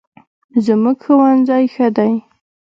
زموږ ښوونځی ښه دی